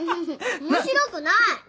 面白くない。